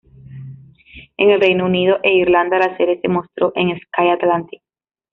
En el Reino Unido e Irlanda la serie se mostró en Sky Atlantic.